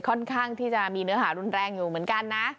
ค่อนข้างที่จะมีเนื้อหารุนแรงอยู่เหมือนกันนะ